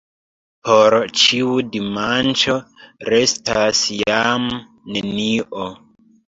Por ĉiu dimanĉo restas jam nenio.